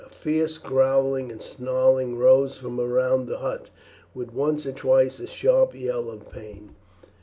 A fierce growling and snarling rose from around the hut, with once or twice a sharp yell of pain.